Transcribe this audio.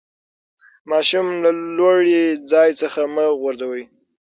ماشوم له لوړي ځای څخه مه غورځوئ.